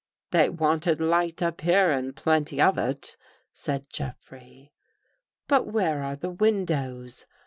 " They wanted light up here and plenty of it," said Jeffrey. "But where are the windows?"